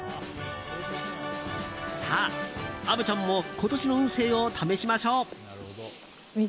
さあ、虻ちゃんも今年の運勢を試しましょう。